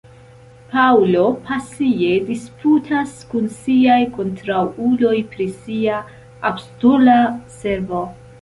Paŭlo pasie disputas kun siaj kontraŭuloj pri sia apostola servo.